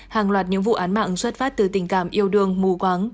hàng loạt những vụ án mạng xuất phát từ tình cảm yêu đương mù quáng